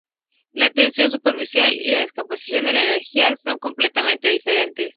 La tensión superficial y la disipación de la energía son completamente diferentes.